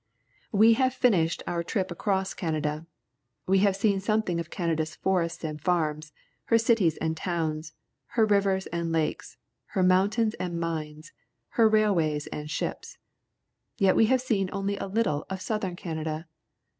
We have finished our trip across Canada. We have seen something of Canada's forests and farms, her cities and towns, her rivers and lakes, her mountains and mines, her railways and ships. Yet we have seen only a little of Southern Canada.